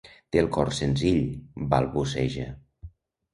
Té el cor senzill, balbuceja.